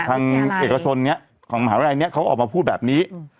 ทางเอกชนนี้ของมหาวิทยาลัยนี้เขาออกมาพูดแบบนี้